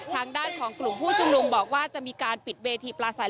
ทางด้านของกลุ่มผู้ชุมนุมบอกว่าจะมีการปิดเวทีปลาใส